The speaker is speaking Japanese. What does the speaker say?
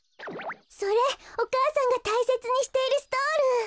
それお母さんがたいせつにしているストール！